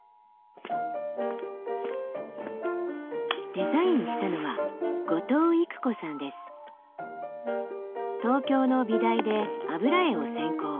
デザインしたのは東京の美大で油絵を専攻。